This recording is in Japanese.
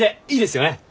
いいですよね？